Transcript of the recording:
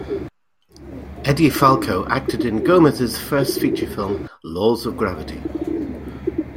Edie Falco acted in Gomez's first feature film, "Laws of Gravity".